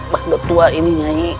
pak duk tua ini nyai